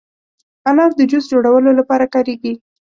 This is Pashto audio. انار د جوس جوړولو لپاره کارېږي.